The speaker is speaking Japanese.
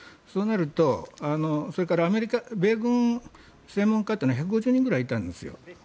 そうなると、それから専門家というのは１５０人ぐらいいたんですよ。